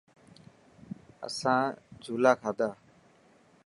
آسان جهولا کادا.